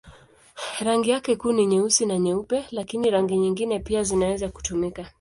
Rangi yake kuu ni nyeusi na nyeupe, lakini rangi nyingine pia zinaweza kutumika.